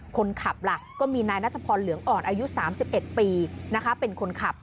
คนขับล่ะก็มีนายนัทพรเหลืองอ่อนอายุ๓๑ปีเป็นคนขับ